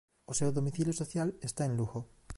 O seu domicilio social está en Lugo.